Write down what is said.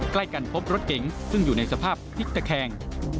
ใกล้กันพบรถเก๋งซึ่งอยู่ในสภาพพลิกตะแคง